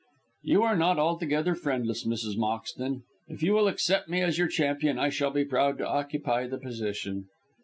"You are not altogether friendless, Mrs. Moxton. If you will accept me as your champion, I shall be proud to occupy the position."